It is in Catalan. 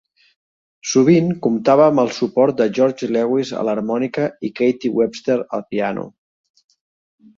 Sovint comptava amb el suport de George Lewis a l'harmònica i Katie Webster al piano.